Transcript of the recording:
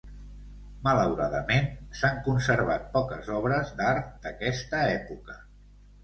Malauradament, s'han conservat poques obres d'art d'aquesta època.